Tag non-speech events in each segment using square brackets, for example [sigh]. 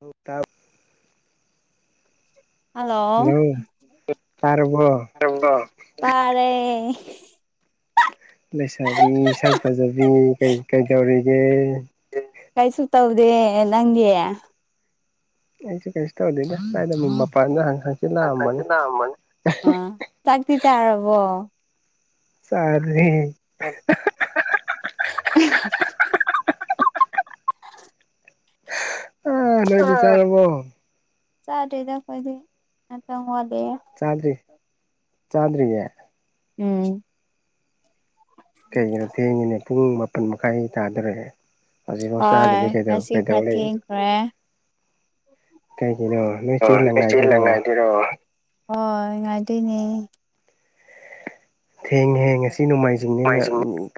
ꯍꯧ ꯇꯞ ꯍꯜꯂꯣ ꯇꯥꯔꯕꯣ ꯇꯔꯦ ꯂꯩꯁꯥꯕꯤ ꯏꯁꯛ ꯐꯖꯕꯤ ꯀꯩ ꯀꯩꯗꯧꯔꯤꯒꯦ ꯀꯩꯁꯨ ꯇꯎꯗꯦ ꯅꯪꯗꯤ ꯑꯩꯁꯨ ꯀꯩꯅꯁ ꯇꯧꯗꯅ ꯀꯥꯏꯗ ꯃꯄꯥꯟꯅ ꯍꯪ ꯆꯥꯛꯗꯤ ꯆꯔꯕꯣ ꯆꯔꯦ [unintelligible] ꯑ ꯅꯣꯏꯗꯤ ꯆꯥꯔꯕꯣ ꯁꯥꯇꯦꯗ ꯀꯣꯏꯗꯤ ꯋꯥꯠꯂꯤ ꯆꯥꯗꯔꯤ ꯆꯥꯗꯔꯤꯌꯦ ꯎꯝ ꯀꯩꯒꯤꯅꯣ ꯊꯦꯡꯉꯤꯅꯦ ꯄꯨꯡ ꯃꯥꯄꯜ ꯃꯈꯥꯏ ꯇꯥꯗꯔꯦ ꯍꯧꯖꯤ ꯍꯣꯏ ꯃꯁꯇꯥꯗꯗꯤ ꯀꯩꯗ ꯉꯁꯤ ꯀꯩꯗꯧ ꯈꯔ ꯂꯩ ꯀꯩꯒꯤꯅꯣ ꯅꯣꯏ ꯆꯦ ꯂꯪꯉꯥꯏꯗꯨꯏꯔꯣ ꯉꯥꯏꯔꯣ ꯍꯣꯏ ꯉꯥꯏꯗꯣꯏꯅꯦ ꯊꯦꯡꯉ ꯍꯦꯡ ꯉꯁꯤ ꯅꯣꯡꯃꯥꯏꯖꯤꯡꯅꯤꯅ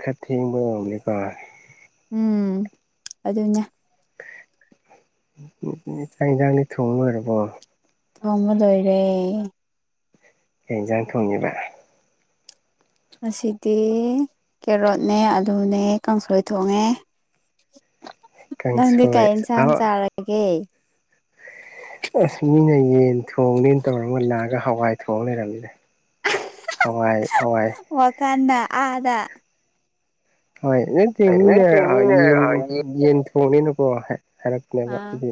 ꯈꯔ ꯊꯦꯡꯕ ꯌꯔꯝꯅꯤꯀꯣ ꯎꯝ ꯑꯗꯨꯗꯅ [unintelligible] ꯊꯣꯡꯕ ꯂꯣꯏꯔꯦ ꯌꯦꯟꯖꯥꯡ ꯊꯣꯡꯉꯤꯕ ꯑꯁꯤꯗꯤ ꯀꯦꯔꯣꯠꯅꯦ ꯑꯂꯨꯅꯦ ꯀꯥꯡꯁꯣꯏ ꯊꯣꯡꯉꯦ ꯅꯪꯗꯤ ꯀꯥꯡꯁꯣꯏ ꯀꯩ ꯏꯟꯁꯥꯡ ꯑꯍꯥꯎ ꯆꯥꯔꯒꯦ ꯑꯁ ꯃꯤꯅ ꯌꯦꯟ ꯊꯣꯡꯅꯦꯅ ꯇꯧꯔꯒ ꯂꯥꯛꯑꯒ ꯍꯋꯥꯏ ꯊꯣꯡ ꯂꯩꯔꯝꯃꯤꯅ ꯋꯥꯈꯟꯅ ꯑꯗ ꯍꯣꯏ ꯅꯠꯇꯦꯅꯤꯅꯦ ꯅꯠꯇꯦ ꯃꯤꯅ ꯌꯦꯟ ꯌꯦꯡ ꯌꯦꯟ ꯊꯣꯡꯅꯤꯅꯀꯣ ꯍꯥꯏ ꯍꯥꯏꯔꯛꯅꯕ ꯑꯥ ꯑꯩꯗꯤ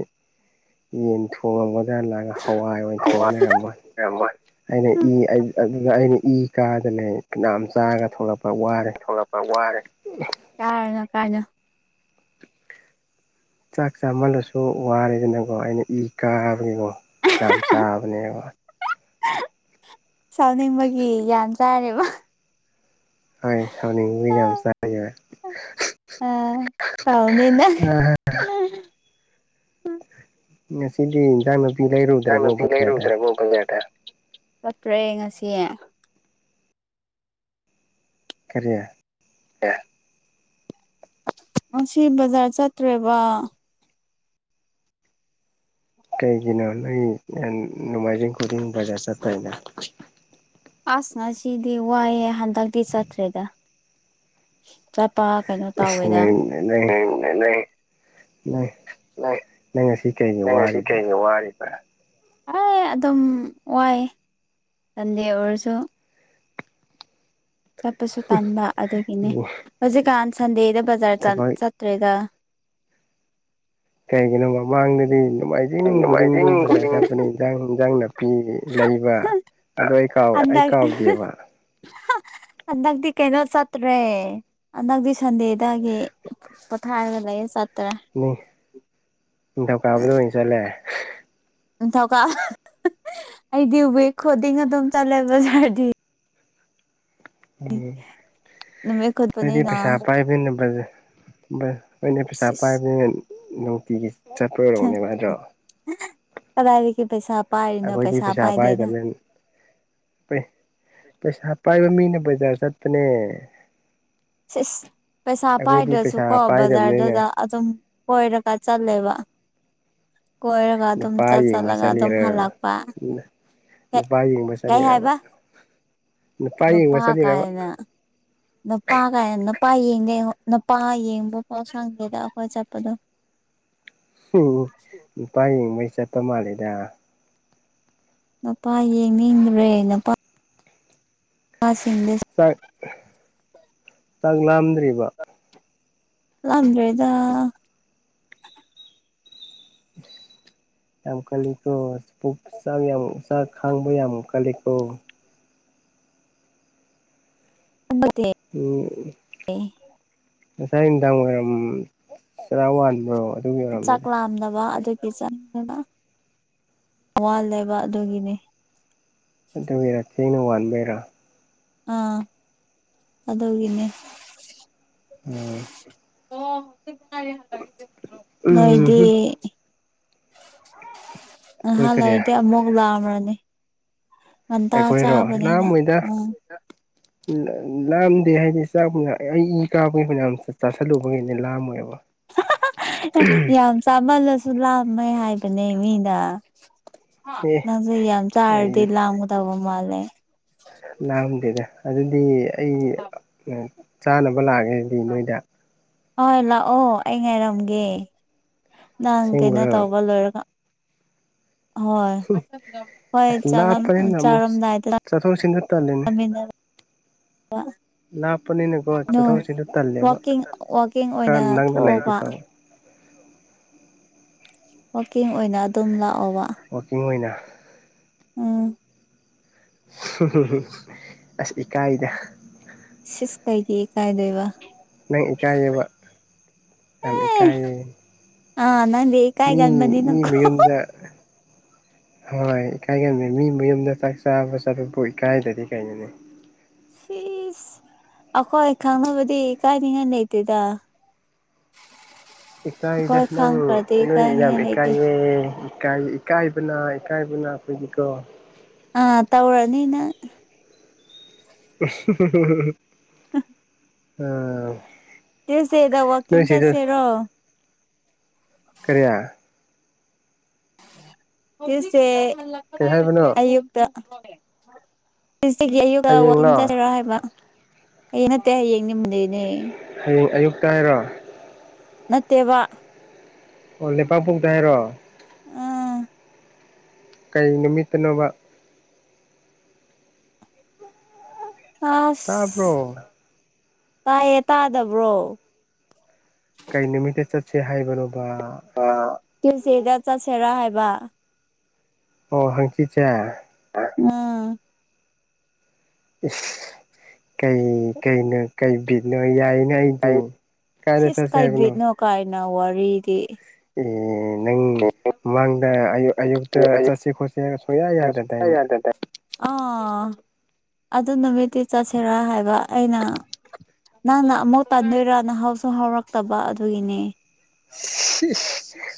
ꯌꯦꯟ ꯊꯣꯡꯉꯒ ꯈꯜꯂꯒ ꯍꯋꯥꯏ ꯍꯋꯥꯏ ꯑꯣꯏꯅꯊꯣꯛꯑꯅꯔꯝꯃꯣꯏ ꯑꯣꯏꯔꯝꯃꯣꯏ ꯑꯩꯅ ꯏ ꯑꯗꯨꯗ ꯑꯩꯅ ꯏ ꯀꯥꯗꯅ ꯌꯥꯝꯝ ꯆꯥꯔꯒ ꯊꯂꯛꯄ ꯂꯛꯄ ꯋꯥꯔꯦ ꯌꯥꯅꯣ ꯀꯥꯏꯅꯣ ꯆꯥꯛ ꯆꯥꯃꯜꯂꯁꯨ ꯋꯥꯔꯦꯗꯅꯀꯣ ꯑꯩꯅ ꯏ ꯀꯥꯕꯒꯤꯀꯣ ꯌꯥꯝ ꯆꯥꯕꯅꯦꯕ ꯁꯥꯎꯅꯤꯡꯕꯒꯤ ꯒ꯭ꯌꯥꯟ ꯇꯥꯔꯦꯕ ꯍꯣꯏ ꯁꯥꯎꯅꯤꯡ ꯌꯥꯝ ꯆꯦ ꯑ ꯁꯥꯎꯅꯤꯅ ꯁꯤꯗꯤ ꯅꯨꯄꯤ ꯂꯩꯔꯨꯗ꯭ꯔ ꯆꯠꯇ꯭ꯔꯦ ꯉꯁꯤ ꯀꯔꯤꯌꯥ ꯑꯦ ꯑꯁꯤ ꯕꯖꯥꯔ ꯆꯠꯇ꯭ꯔꯦꯕ ꯀꯩꯒꯤꯅꯣꯅ ꯅꯅꯨꯡꯃꯥꯏꯖꯤꯡ ꯈꯨꯗꯤꯖ ꯆ ꯇꯅ ꯑꯁ ꯉꯁꯤꯗꯤ ꯋꯥꯏꯑꯦ ꯍꯟꯗꯛꯇꯤ ꯆꯠꯇ꯭ꯔꯦꯗ ꯂꯄꯥ ꯀꯩꯅꯣ ꯇꯧꯋꯦꯗ ꯅꯪ ꯅꯪ ꯅꯪ ꯉꯁꯤ ꯀꯩꯒꯤ ꯅꯪ ꯉꯁꯤ ꯋꯥꯔꯤꯕ ꯀꯩꯒꯤ ꯋꯥꯔꯤꯕ꯭ꯔꯥ ꯍ ꯑꯗꯨꯝ ꯋꯥꯏ ꯁꯟꯗꯦ ꯑꯣꯏꯔꯁꯨ ꯆꯠꯄꯁꯨ ꯇꯟꯥꯟꯕ ꯑꯗꯨꯒꯤꯅꯦ ꯍꯧꯖꯤꯛꯀꯥꯟ ꯁꯟꯗꯦꯗ ꯕꯖꯥꯔ ꯊꯕꯛ ꯆꯠꯇ꯭ꯔꯦꯗ ꯀꯩꯒꯤꯅ ꯃꯃꯪꯗꯗꯤ ꯃꯥꯏꯖꯤꯡ ꯅꯣꯡꯃꯥꯏꯖꯤꯡ ꯔꯤꯡꯗꯨꯣꯝ ꯄꯨꯖꯥ ꯈꯨꯗꯤꯡ ꯆꯠꯄꯅꯦ ꯏꯟꯖꯥꯡ ꯏꯟꯖꯥꯡ ꯅꯥꯄꯤ ꯂꯩꯕ ꯑꯗꯣ ꯑꯩ ꯀꯥꯎ ꯑꯩ ꯍꯟꯗꯛ ꯀꯥꯎꯗꯦꯕ ꯍꯟꯗꯛꯇꯤ ꯀꯩꯅꯣ ꯆꯠꯇ꯭ꯔꯦ ꯍꯟꯗꯛꯇꯤ ꯁꯟꯗꯦꯗꯒꯤ ꯄꯣꯊꯥꯔꯒ ꯠ ꯅꯤꯡꯊꯝꯀꯥꯕꯗ ꯑꯣꯏꯅ ꯆꯠꯂꯦ ꯅꯤꯡ ꯅꯤꯡꯊꯧꯧꯀ ꯑꯩꯗꯤ ꯋꯦꯛ ꯈꯨꯗꯤꯡ ꯑꯗꯨꯝ ꯆꯠꯂꯦ ꯕꯖꯥꯔꯗꯤ ꯎꯝ ꯅꯨꯃꯤꯠ ꯅꯗꯤ ꯈꯨꯠꯄꯅꯤꯅ ꯄꯩꯁꯥ ꯄꯥꯏꯕꯅ ꯕ ꯅꯗꯤ ꯄꯩꯁꯥ ꯁꯤꯁ ꯄꯥꯏꯕꯅ ꯅꯨꯡꯇꯒꯤ ꯆꯠꯄ ꯑꯣꯏꯔꯣꯅꯦꯕ ꯍꯥꯏꯗ꯭ꯔꯣ ꯀꯗꯥꯏꯗꯦ ꯄꯩꯁꯥ ꯄꯥꯏꯔꯤꯅꯣ ꯑꯩꯈꯣꯏꯗꯤ ꯄꯩꯁꯥ ꯄꯥꯏꯗꯦꯗ ꯄꯥꯏꯗꯕꯅꯤ ꯄꯩꯁꯥ ꯄꯥꯏꯕ ꯃꯤ ꯄꯩ ꯆꯥ ꯆꯠꯅꯦ ꯁꯤꯁ ꯄꯩꯁꯥ ꯄꯥꯏꯗ꯭ꯔꯁꯨ ꯀꯣ ꯄꯥꯏꯗꯕꯅꯤꯅ ꯕꯖꯥꯔꯗꯨꯗ ꯑꯗꯨꯝ ꯀꯣꯏꯔꯀ ꯆꯠꯂꯦꯕ ꯀꯣꯏꯔꯒ ꯑꯗꯨꯝ ꯅꯨꯄꯥ ꯆꯠ ꯌꯦꯡꯕ ꯆꯠꯂꯒ ꯑꯗꯨꯝ ꯆꯠꯂꯤꯔ ꯍꯜꯂꯛꯄ ꯅꯨꯄꯥ ꯌꯦꯡꯕ ꯆ ꯀꯩ ꯌꯦꯡꯉꯕ ꯍꯥꯏꯕ ꯅꯨꯄꯥ ꯀꯥꯏꯅ ꯅꯨꯄꯥ ꯀꯥꯏꯅ ꯅꯨꯄꯥ ꯌꯦꯡꯒꯦ ꯅꯨꯄꯥ ꯌꯦꯡꯕ ꯄꯥꯎ ꯁꯪꯒꯦꯗ ꯑꯩꯈꯣꯏ ꯆꯠꯄꯗꯣ [inaudible] ꯎꯝ ꯅꯨꯄꯥ ꯌꯦꯡꯕꯩ ꯆꯠꯄ ꯃꯥꯜꯂꯦꯗ ꯅꯨꯄꯥ ꯌꯦꯡꯅꯤꯡꯗꯨꯔꯦ ꯅꯨꯄꯥ ꯑ [inaudible] ꯆꯥꯛ ꯆꯥꯛ ꯂꯥꯝꯗ꯭ꯔꯤꯕ ꯂꯝꯗꯗ ꯌꯥꯝ ꯀꯜꯂꯤ ꯀꯣ ꯆ ꯆ ꯈꯥꯡꯕ ꯌꯥꯝꯨꯛ ꯀꯂꯤꯄꯣ ꯍꯟꯗꯛꯇꯤ ꯑꯣ ꯉꯁꯥꯏ ꯅꯨꯡꯗꯥꯡ ꯋꯥꯏꯔꯝ ꯆꯔꯥ ꯋꯥꯟꯕ꯭ꯔꯣ ꯑꯗꯨꯒꯤ ꯆꯥꯛ ꯑꯣꯏꯔꯝꯅꯤꯗ ꯂꯥꯝꯗꯅꯕ ꯑꯗꯨ ꯆꯥꯡꯗꯅ ꯑꯋꯥꯜꯂꯦꯕ ꯑꯗꯨꯒꯤꯅꯤ ꯑꯗꯨꯒꯤꯔꯥ ꯊꯦꯡꯅ ꯋꯥꯟꯕꯩꯔꯥ ꯑꯥ ꯑꯗꯒꯅꯦ ꯎꯝ ꯑꯣ ꯅꯣꯏꯗꯤ ꯎꯝꯍꯨꯝ ꯑꯩꯈꯣꯏ ꯑꯍꯜ ꯂ ꯀꯔꯤ ꯏꯗ ꯑꯃꯛ ꯂ ꯑꯃꯔꯅꯤ ꯃꯟꯗ ꯑꯩꯈꯣꯏꯔꯣ ꯆꯥꯕꯅꯦꯅ ꯂꯥꯝꯃꯣꯏꯗ ꯎꯝ ꯂꯥꯝꯗꯦ ꯍꯥꯏꯗꯤ ꯆꯥꯛ ꯑꯩ ꯏ ꯀꯥꯕꯒꯤ ꯃꯅꯌꯥꯝ ꯆꯥꯥꯁꯜꯂꯨꯕꯒꯤꯅꯦ ꯂꯥꯝꯃꯣꯏꯕ ꯌꯥꯝ ꯆꯥꯃꯜꯂꯁꯨ ꯂꯥꯝꯃꯦ ꯍꯥꯏꯕꯅꯦ ꯃꯤꯅ ꯑꯦ ꯅꯁ ꯌꯥꯝ ꯆ ꯑꯔꯗꯤ ꯂꯝꯕꯗꯕ ꯃꯥꯂꯦ ꯂꯥꯡꯗꯦꯗ ꯑꯗꯨꯗꯤ ꯑꯩ ꯆꯥꯅꯕ ꯂꯥꯛꯒꯦꯗꯤ ꯅꯣꯏꯗ ꯍꯣꯏ ꯂꯥꯛꯑꯣ ꯑꯩ ꯉꯥꯏꯔꯝꯒꯦ ꯅꯪ ꯀꯩꯅꯣ ꯑꯁꯦꯡꯕꯔꯣ ꯇꯧꯕ ꯂꯣꯏꯔꯒ ꯍꯣꯏ ꯍꯣꯏ ꯆ ꯆꯥꯔꯝꯗꯥꯏꯗ ꯆꯠꯊꯣꯛꯁꯤꯟꯗ ꯇꯥꯂꯦꯅꯦ ꯑ ꯅꯨꯡ ꯆꯠꯊꯣꯛ ꯆꯠꯁꯤꯟꯗ ꯇꯜꯂꯦꯕ ꯋꯥꯀꯤꯡ ꯋꯥꯋꯥꯛꯀꯤꯡ ꯈꯔ ꯑꯣꯏꯅ ꯅꯪꯅ ꯂꯩꯔꯗꯤ ꯊꯣꯛꯑꯕ ꯐꯕ ꯋꯥꯋꯥꯛꯀꯤꯡ ꯑꯣꯏꯅ ꯑꯗꯨꯝ ꯂ ꯋꯥꯛꯀꯤꯡ ꯑꯣꯏꯅ ꯎꯝ ꯑꯁ ꯏꯀꯥꯏꯗ ꯁꯤꯁ ꯀꯥꯏꯗꯤ ꯀꯥꯏꯗꯩꯕ ꯅꯪ ꯏꯀꯥꯏꯌꯦꯕ ꯌꯥꯝ ꯑꯦ ꯏꯀꯥꯏꯌꯦ ꯑꯥ ꯅꯪꯦ ꯃꯤ ꯀꯥꯏꯒꯥꯟꯕꯅꯤ ꯃꯤ ꯅꯪꯈꯣ ꯃꯌꯨꯝꯗ ꯍꯣꯏ ꯏꯀꯥꯏꯒꯥꯏꯅꯤ ꯃꯤ ꯃꯌꯨꯝꯗ ꯆꯥꯛ ꯆꯥꯕ ꯆꯠꯄꯕꯨ ꯏꯀꯥꯏꯗꯗꯤ ꯀꯩꯅꯣꯅꯤ ꯁꯤꯁ ꯑꯩꯈꯣꯏ ꯈꯪꯅꯕꯗꯤ ꯀꯥꯏꯅꯤꯡꯉꯥꯏ ꯂꯩꯇꯦꯗ [unintelligible] ꯑꯩꯈꯣꯏ ꯏꯀꯥꯏꯗꯅꯪ ꯈꯪꯈ꯭ꯔꯗꯤ ꯂꯣꯏ ꯏꯝ ꯏꯀꯥꯏꯅꯤꯡꯉꯥꯏ ꯂꯩꯇꯦ ꯏꯀꯥꯏꯌꯦ ꯏꯀꯥꯏꯕꯅ ꯏꯀꯥꯏꯕꯅ ꯑꯩꯈꯣꯏꯒꯤꯀꯣ ꯑꯥ ꯇꯧꯅꯤꯅ [unintelligible] ꯇꯁꯦꯗ ꯅꯣꯏ ꯋꯥꯀꯤꯡꯆꯥ ꯁꯦꯔꯣ ꯀꯌꯥ ꯁꯦ ꯀꯩ ꯍꯥꯏꯕꯅꯣ ꯑꯌꯨꯛꯇꯗ ꯍꯧꯒꯤ ꯑꯌꯨꯛꯇ ꯋꯥꯛꯀꯤꯤꯡ ꯍꯌꯦꯡꯂꯣ ꯆꯥꯁꯤꯔ ꯍꯥꯏꯕ ꯑꯩ ꯅꯠꯇꯦ ꯍꯌꯦꯡ ꯌꯝꯗꯣꯏꯅꯦ ꯍꯌꯦꯡ ꯑꯌꯨꯛꯇ ꯍꯥꯏꯔꯣ ꯅꯠꯇꯦꯕ ꯑꯣꯦ ꯂꯩꯄꯥꯛꯄꯣꯛꯗ ꯍꯥꯏꯔꯣ ꯎꯥ ꯀꯩ ꯅꯨꯃꯤꯠꯇꯅꯕ ꯑꯁ ꯇꯥꯕ꯭ꯔꯣ ꯇꯥꯏꯌꯦ ꯇꯥꯗꯕ꯭ꯔꯣ ꯁꯦ ꯍꯥꯏꯕꯔꯣꯕ ꯇꯁꯦꯗ ꯆꯠꯁꯦꯔꯥ ꯍꯥꯏꯕ ꯑꯣ ꯍꯪ ꯆꯤ ꯆꯦ ꯎ ꯏ ꯀꯩ ꯀꯩꯅꯣ ꯀꯩꯕꯤꯅꯣ ꯌꯥꯏ ꯉꯗꯤ ꯀꯥꯏꯗꯁꯁꯤ ꯁꯥꯦꯕꯅꯣ ꯅꯎ ꯋꯥꯔꯤꯗꯤ ꯑꯣ ꯅꯪ ꯃꯃꯥꯡꯗ ꯑꯌꯨꯛꯇ ꯆꯠꯁꯤ ꯈꯣꯠꯁꯤ ꯁꯨꯡꯌꯥ ꯌꯥꯗꯗꯥꯏꯅ ꯑꯥ ꯑꯗꯨ ꯅꯨꯃꯤꯠꯇꯤ ꯆꯠꯁꯤꯔꯥ ꯍꯥꯏꯕ ꯑꯩꯅ ꯅꯪꯅ ꯑꯃꯨꯧ ꯇꯥꯟꯗꯣꯏꯔꯥ ꯅꯍꯥꯎꯁꯨ ꯍꯧꯥꯎꯔꯛꯇꯕ ꯑꯗꯨꯒꯤꯅꯦ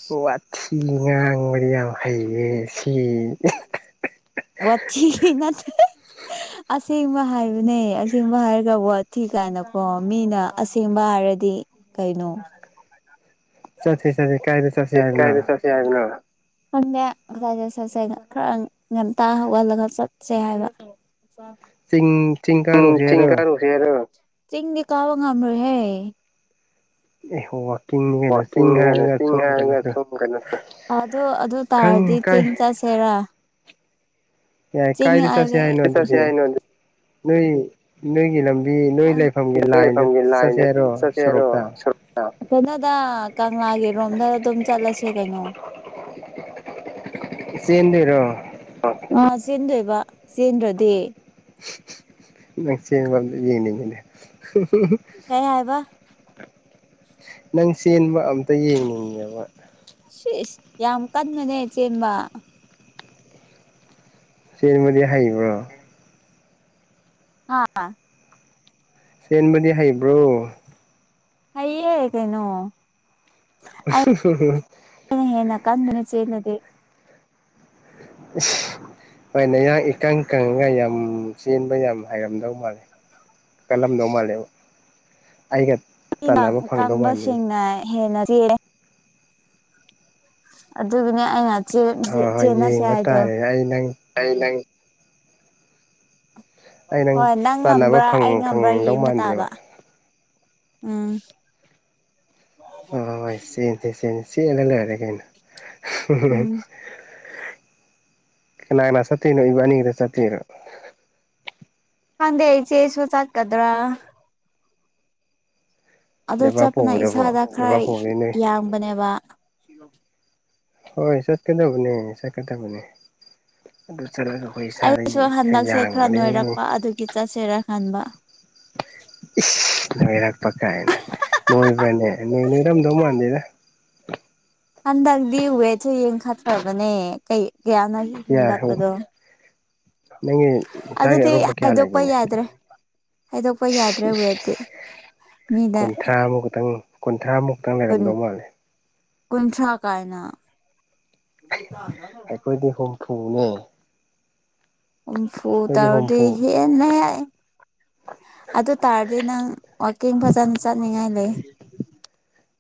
ꯋꯥ ꯋꯥꯠ ꯁꯤ ꯉꯥꯡꯕꯗꯤ ꯌꯥꯝ ꯍꯩꯌꯦ ꯁꯤ ꯋꯥꯤ ꯉ ꯑꯁꯦꯡꯕ ꯍꯥꯏꯕꯅꯦ ꯑꯁꯦꯡꯕ ꯍꯥꯏꯔꯒꯕꯨ ꯊꯤ ꯀꯥꯏꯅꯀꯣ ꯃꯤꯅ ꯑꯁꯦꯡꯕ ꯍꯥꯏꯔꯒ ꯗꯤ ꯀꯩꯅꯣ ꯁꯠꯦ ꯁꯠꯦ ꯀꯥꯏꯗ ꯆꯁꯦ ꯍꯥꯏꯅ ꯈꯪꯗꯦꯗꯠ ꯆꯠꯁꯦ ꯈꯔ ꯉꯟꯇꯥ ꯍꯧꯒꯠꯂꯒ ꯆꯠꯁꯦ ꯍꯥꯏꯕ ꯆꯤꯡ ꯆꯤꯡ ꯀꯥꯔꯨꯁꯦ ꯍꯥꯏꯔꯣ ꯆꯤꯡꯀꯥꯔꯨꯁꯦꯔꯣ ꯆꯤꯡꯗꯤ ꯀꯥꯕ ꯉꯝꯃꯣꯏꯍꯦ ꯑꯦꯍ ꯋꯥ ꯑꯟꯏꯟꯇꯦꯜꯂꯤꯖꯦꯕꯜ ꯑꯗꯨ ꯈꯪ ꯇꯥꯔꯗꯤ ꯀꯥꯏ ꯆꯤꯡ ꯆꯁꯦ ꯁꯦꯔꯥ ꯌꯥꯏ ꯀꯥꯏꯗ ꯆꯠꯁꯦ ꯍꯥꯏꯅꯣ ꯆꯠꯁꯦ ꯑꯗꯨꯗꯤ ꯍꯥꯏꯅꯣ ꯅꯣꯏ ꯅꯣꯏꯒꯤ ꯂꯝ ꯅꯣꯏ ꯈꯪ ꯂꯩꯐꯝꯒꯤ ꯅꯣꯏ ꯂꯥꯏꯟꯗ ꯂꯩꯐꯝꯒꯤ ꯆꯠꯁꯦ ꯍꯥꯏꯔꯣ ꯁꯣꯔꯣꯛꯇ ꯀꯅꯣꯗ ꯀꯪꯂꯥꯒꯤ ꯔꯣꯝꯗ ꯑꯗꯨꯝ ꯆꯠꯂꯁꯦ ꯀꯩꯅꯣ ꯆꯦꯟꯗꯣꯏꯔꯣ ꯉ ꯆꯦꯟꯗꯣꯏꯕ ꯆꯦꯟꯗ꯭ꯔꯗꯤ ꯅꯪ ꯆꯦꯟꯕ ꯑꯝꯇ ꯌꯦꯡꯅꯤꯡꯉꯤꯅꯦ ꯍ ꯀꯥꯏ ꯍꯥꯏꯕ ꯅꯪ ꯆꯦꯟꯕ ꯑꯝꯇ ꯌꯦꯡꯅꯤꯡꯉꯦꯕ ꯁꯤꯁ ꯌꯥꯝ ꯀꯟꯕꯅꯦ ꯆꯦꯟꯕ ꯆꯦꯟꯕꯗꯤ ꯍꯩꯕ꯭ꯔꯣ ꯍꯥ ꯆꯦꯟꯕꯗꯤ ꯍꯩꯕ꯭ꯔꯣ ꯍꯩꯌꯦ ꯀꯩꯩꯅꯣ ꯑꯝꯍꯝꯍꯝꯍꯝ ꯀꯟꯗꯅ ꯆꯦꯜꯂꯗꯤ ꯏꯁꯁꯁ ꯍꯣꯏ ꯅꯌꯥꯡ ꯏꯀꯪ ꯀꯪꯉꯒ ꯌꯥꯝ ꯆꯦꯟꯕ ꯌꯥꯝ ꯍꯥꯏꯔꯝꯗꯧ ꯃꯥꯜꯂꯦ ꯀꯜꯂꯝꯗꯧ ꯃꯥꯜꯂꯦꯕ ꯑꯩꯒ ꯏꯃꯪ ꯇꯥꯟꯅꯕ ꯐꯪꯗꯧ ꯃꯥꯟꯗꯦꯅꯦ ꯀꯪꯕꯁꯤꯡꯅ ꯍꯦꯟꯅ ꯆꯦꯛꯂꯤ ꯑꯗꯨꯒꯤꯅꯦ ꯑꯩꯅ ꯆꯦꯟ ꯆꯦ ꯍꯣꯏ ꯍꯣꯏ ꯆꯦꯟꯅꯁꯦ ꯌꯦꯡꯕ ꯍꯥꯏꯗꯣ ꯇꯥꯔꯦ ꯑꯩ ꯅꯪ ꯑꯩ ꯍꯣꯏ ꯅꯪ ꯇꯥꯟꯅꯕ ꯉꯝꯕ꯭ꯔꯥ ꯑꯩ ꯐꯪ ꯉꯝꯕ꯭ꯔꯥ ꯐꯪꯗꯧ ꯌꯦꯡꯕ ꯃꯥꯟꯗꯦꯕ ꯇꯥꯕ ꯎꯝ ꯍꯣ ꯍꯣ ꯍꯣꯏ ꯆꯦꯟꯁꯤ ꯆꯦꯟ ꯆꯦꯜꯂ ꯂꯣꯏꯔꯦ ꯀꯩꯅꯣ ꯎꯝ ꯀꯅꯥ ꯀꯅꯥ ꯆꯠꯇꯨꯏꯅꯣ ꯏꯕꯥꯅꯤꯗ ꯆꯠꯇꯣꯏꯔꯤꯅꯣ ꯈꯪꯗꯦ ꯏꯆꯦꯁꯨ ꯆꯠ ꯀꯗ꯭ꯔꯥ ꯑꯗꯨ ꯆꯠꯄꯅ ꯂꯩꯕꯥꯛꯄꯣꯛꯕꯗꯕꯣ ꯏꯁꯥꯗ ꯈꯔ ꯂꯩꯕꯥꯛꯄꯣꯛꯕꯗꯤ ꯅꯣꯏ ꯌꯥꯡꯕꯅꯦꯕ ꯍꯣꯏ ꯆꯠꯀꯗꯕꯅꯦ ꯆꯠꯀꯗꯕꯅꯦ ꯑꯗꯨ ꯆꯠꯂꯒ ꯑꯩꯈꯣꯏ ꯏꯁꯥꯗ ꯑꯩꯁꯨ ꯈꯔ ꯍꯟꯗꯛꯁꯦ ꯌꯥꯡꯕꯅꯤ ꯅꯣꯏꯔꯛꯄ ꯑꯗꯨꯒꯤ ꯆꯠꯁꯤꯔꯥ ꯈꯟꯕ ꯏꯁ ꯅꯣꯏꯔꯛꯄ ꯀꯥꯏꯅ ꯅꯣꯏꯕ꯭ꯔꯅꯦ ꯅꯣꯏ ꯅꯣꯏꯔꯝꯗꯧ ꯃꯥꯟꯗꯦꯗ ꯍꯟꯗꯛꯇꯤ ꯋꯦꯠꯁꯨ ꯌꯦꯡꯈꯠꯇ꯭ꯔꯕꯅꯦ ꯀꯩ ꯌꯥꯅꯣ ꯑꯩꯒꯤ ꯀꯌꯥ ꯍꯦꯟꯒꯠꯄꯗꯣ ꯅꯪꯒꯤ ꯏꯆꯥꯒꯤ ꯑꯗꯨꯗꯤ ꯑꯔꯨꯝꯕ ꯀꯌꯥ ꯍꯥꯏꯗꯣꯛꯄ ꯂꯩꯒꯦꯅꯦ ꯌꯥꯗ꯭ꯔꯦ ꯍꯥꯏꯗꯣꯛꯄ ꯌꯥꯗ꯭ꯔꯦ ꯋꯦꯠꯇꯤ ꯃꯤꯗ ꯀꯨꯟꯊ꯭ꯔꯥ ꯃꯨꯛꯇꯪ ꯂꯩꯔꯝꯗꯧ ꯃꯥꯜꯂꯦ ꯀꯨꯟꯊ꯭ꯔꯥ ꯀꯥꯏꯅ ꯈꯨꯝꯃꯨꯅꯦ ꯍꯨꯝꯐꯨ ꯇꯧꯔꯗꯤ ꯍꯦꯟꯅ ꯌꯥꯏꯍꯦ ꯑꯗꯨ ꯇꯥꯔꯗꯤ ꯅꯪ ꯋꯀꯤꯡ ꯐꯖꯅ ꯆꯠꯅꯤꯡꯉꯥꯏ ꯂꯩ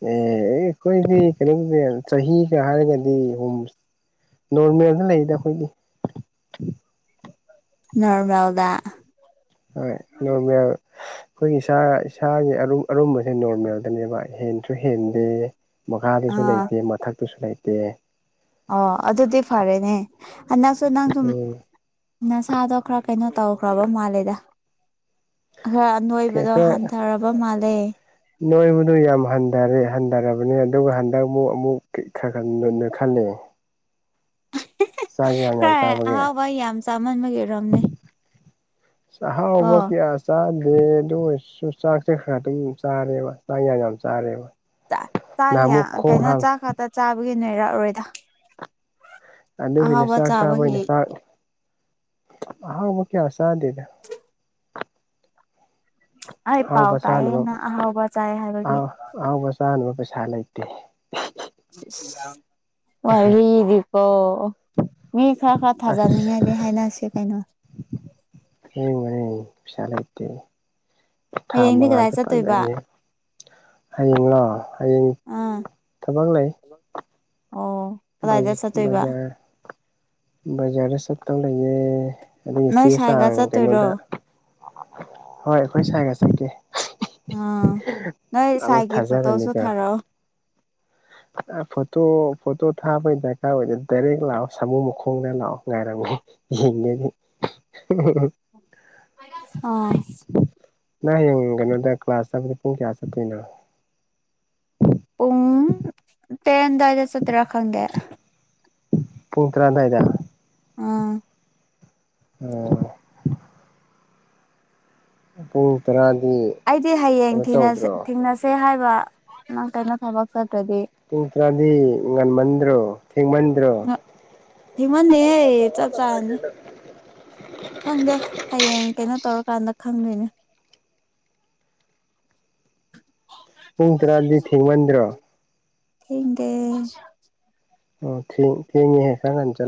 ꯑꯦ ꯑꯩꯈꯣꯏꯗꯤ ꯀꯩꯅꯣꯒꯤꯗꯤ ꯆꯍꯤꯒ ꯍꯥꯏꯔꯒꯗꯤ ꯑꯍꯨꯝ ꯅꯣꯔꯃꯦꯜꯅ ꯂꯩꯗ ꯑꯩꯈꯣꯏꯗꯤ ꯑꯟꯑꯣꯗꯤꯕꯜ ꯅꯣꯔꯃꯦꯜꯗꯥ ꯍꯣꯏ ꯅꯣꯔꯃꯦꯜ ꯑꯩꯈꯣꯏꯒꯤ ꯏꯁꯥ ꯏꯁꯒꯤ ꯑꯔꯨꯝ ꯑꯔꯨꯝꯕꯁꯤ ꯅꯣꯔꯃꯦꯜꯗꯅꯦꯕ ꯍꯦꯟꯁꯨ ꯍꯦꯟꯗꯦ ꯃꯈꯥꯗꯁꯨ ꯑꯥ ꯂꯩꯇꯦ ꯃꯊꯛ ꯇꯁꯨ ꯂꯩꯥꯏꯇꯦ ꯑꯣ ꯑꯗꯨꯗꯤ ꯐꯔꯦꯅꯦ ꯍ ꯅꯪꯁꯨ ꯅꯪ ꯁꯨꯝ ꯎꯝ ꯅꯁꯥꯗꯣ ꯈ꯭ꯔ ꯀꯩꯅꯣ ꯇꯧꯈ꯭ꯔꯕ ꯃꯥꯜꯂꯦꯗ ꯈꯔ ꯑꯅꯣꯏꯕꯗꯣ ꯍꯟꯊꯔꯕ ꯃꯥꯜꯂꯦ ꯅꯣꯏꯕꯨꯗꯨ ꯌꯥꯝ ꯍꯟꯊꯔꯦ ꯍꯟꯊꯔꯕꯅꯤ ꯑꯗꯨꯒ ꯍꯟꯗꯛ ꯑꯃꯨꯛ ꯑꯃꯨꯛ ꯈꯜꯂꯤ ꯈꯔ ꯆꯥꯕꯒꯤ ꯑꯍꯥꯎꯕ ꯌꯥꯝ ꯆꯥꯃꯟꯕꯒꯤ ꯑꯣꯏꯔꯣꯝꯅꯦ ꯁꯍꯥꯕ ꯀ ꯌꯥ ꯑꯁꯥ ꯑ ꯑꯗꯨ ꯑꯣꯏꯔꯁꯨ ꯆꯥꯛꯁꯦ ꯈꯔ ꯑꯗꯨꯝ ꯆꯥꯔꯦꯕ ꯆꯥꯛ ꯌꯥꯝ ꯌꯥꯝ ꯆꯥꯔꯦꯕ ꯆꯥ ꯅꯍꯥꯟꯃꯨꯛ ꯈꯣꯡ ꯀꯩꯅꯣ ꯍꯥꯝ ꯆꯥꯛ ꯈꯛꯇ ꯆꯥꯕꯒꯤ ꯅꯣꯏꯔꯛꯔꯣꯏꯗ ꯑ ꯍꯅꯦ ꯆꯥꯛ ꯆꯥꯕꯅꯦ ꯆꯥꯛ ꯑ ꯃ ꯀ ꯁꯥꯗꯗ ꯑꯩ ꯄꯥꯎ ꯑꯥꯎꯕꯁꯅꯤ ꯇꯥꯏꯌꯦ ꯅꯪ ꯑꯍꯥꯎꯕ ꯆꯥꯏ ꯑ ꯍꯥꯏꯕꯒꯤ ꯑꯥꯎꯁ ꯆꯥꯅꯕ ꯄꯩꯁꯥ ꯂꯩꯇꯦ ꯃꯍꯤꯗꯤꯄꯣ ꯃꯤ ꯈꯔ ꯈꯔ ꯑꯁ ꯊꯥꯖꯅꯤꯡꯉꯥꯏꯗꯤ ꯍꯥꯏꯅꯔꯁꯤ ꯀꯩꯅꯣ ꯍ ꯃꯁꯂꯩꯗꯤ ꯊꯥ ꯍꯌꯦꯡꯗꯤ ꯃꯉꯥ ꯀꯗꯥꯏ ꯆꯠꯇꯣꯏꯕ ꯆꯄꯖꯦ ꯍꯌꯦꯡꯡꯂꯣ ꯍꯌꯦꯡ ꯑꯥ ꯊꯕꯛ ꯂꯩ ꯑꯣ ꯀꯗꯥꯏꯗ ꯆꯠꯇꯣꯏꯕ ꯖꯔ ꯁꯞꯇꯝ ꯂꯩꯌꯦ ꯑꯗꯨꯗꯒꯤ ꯅꯣꯏ ꯆꯦ ꯁꯥꯏꯒ ꯆꯥꯡ ꯆꯠꯇꯣꯏꯔꯣ ꯀꯩꯅꯣꯗ ꯍꯣꯏ ꯑꯩꯈꯣꯏ ꯁ꯭ꯋꯥꯏꯒ ꯆꯠꯀꯦ ꯑꯥ ꯅꯣꯏ ꯑꯃꯕꯨ ꯁꯥꯏꯒꯤ ꯐꯣꯇꯣꯁꯨ ꯊꯖꯔꯅꯤꯀ ꯊꯥꯔꯛꯑꯣ ꯐꯣꯇꯣ ꯐꯣꯇꯣ ꯊꯥꯕꯩ ꯗꯔꯀꯥꯔ ꯑꯣꯏꯗ ꯗꯥꯏꯔꯦꯛ ꯂꯥꯛꯑꯣ ꯁꯥꯃꯨ ꯃꯈꯣꯡꯗ ꯂꯥꯛꯑꯣ ꯉꯥꯏꯔꯝꯃ ꯌꯦꯅꯤ ꯑ ꯅ ꯍꯌꯦꯡ ꯀꯩꯅꯣꯗ ꯀ꯭ꯂꯥꯁ ꯆꯥꯕꯗ ꯄꯨꯡ ꯀꯌꯥ ꯆꯠꯇꯣꯏꯅꯣ ꯎꯨꯡ ꯇꯦꯟꯦꯟꯗꯖ ꯁꯇꯔꯥ ꯈꯪꯗꯦ ꯄꯨꯡ ꯇꯔꯥꯗꯥꯏꯗ ꯑꯥ ꯑꯣ ꯎꯨꯡ ꯇꯔꯥ ꯑꯩꯗꯤ ꯍꯌꯦꯡ ꯊꯦꯡꯅꯁꯦ ꯍꯥꯏꯕ ꯅꯪ ꯀꯩꯅꯣ ꯊꯕꯛ ꯆ ꯄꯨꯡ ꯇꯔꯥꯗꯤ ꯉꯟꯃꯟꯗ꯭ꯔꯣ ꯊꯦꯡꯃꯟꯗ꯭ꯔꯣ ꯍꯃꯅꯤ ꯍ ꯆ ꯆꯅꯤ ꯈꯪꯗꯦ ꯍꯌꯦꯡ ꯀꯩꯅꯣ ꯇꯧꯔꯀꯥꯟꯗ ꯈꯪꯗꯣꯏꯅꯦ ꯄꯨꯡ ꯇꯔꯥꯗꯤ ꯊꯦꯡꯃꯟꯗ꯭ꯔꯣ ꯍꯗꯦ ꯑꯣ ꯊ ꯁ ꯆ